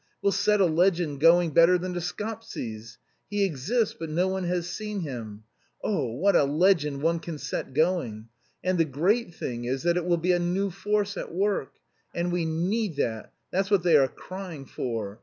We'll set a legend going better than the Skoptsis'. He exists, but no one has seen him. Oh, what a legend one can set going! And the great thing is it will be a new force at work! And we need that; that's what they are crying for.